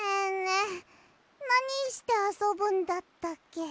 えなにしてあそぶんだったっけ？